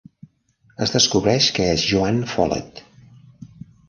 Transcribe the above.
Es descobreix que és Joanne Follett.